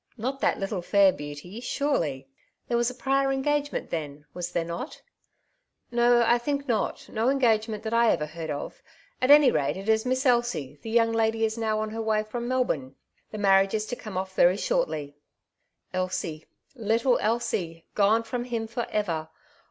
Not that little fair beauty, surely ? There was a prior engagement then, was there not ?'^ ''No, I think not; no engagement that I ever heard of. At any rate it is Miss Elsie ; the young lady is now on her way from Melboarne. The marriage is to come off very shortly. '' Elsie — little Elsie gone from him for ever